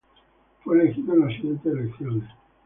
Fue elegido en las siguientes elecciones.